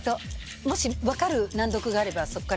もし分かる難読があればそっからいっても。